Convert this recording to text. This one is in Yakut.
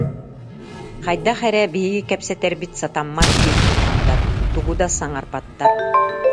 Хайдах эрэ «биһиги кэпсэтэрбит сатаммат» диир курдуктар, тугу да саҥарбаттар